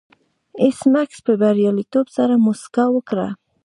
ایس میکس په بریالیتوب سره موسکا وکړه